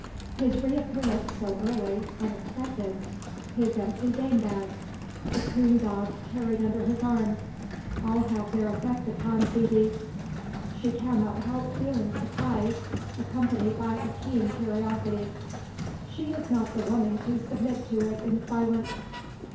His re appearance so early, unexpected; his empty gamebag; the coon dog carried under his arm; all have their effect upon Phoebe. She cannot help feeling surprise, accompanied by a keen curiosity. She is not the woman to submit to it in silence.